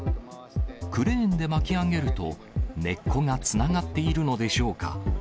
クレーンで巻き上げると、根っこがつながっているのでしょうか。